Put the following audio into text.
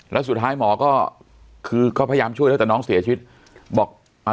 แล้วสุดท้ายหมอก็คือก็พยายามช่วยแล้วแต่น้องเสียชีวิตบอกอ่า